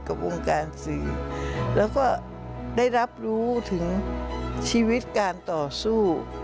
กับวงการสื่อแล้วก็ได้รับรู้ถึงชีวิตการต่อสู้